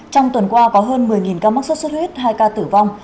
trong tuần qua có hơn một mươi ca mắc sốt xuất huyết hai ca tử vong